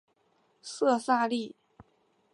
色萨利。